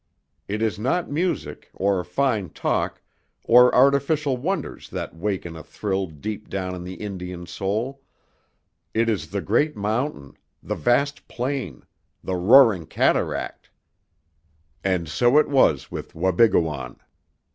It is not music, or fine talk, or artificial wonders that waken a thrill deep down in the Indian soul, it is the great mountain, the vast plain, the roaring cataract! And so it was with Wabigoon.